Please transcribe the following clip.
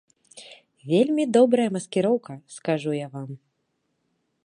Вельмі добрая маскіроўка, скажу я вам.